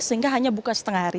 sehingga hanya buka setengah hari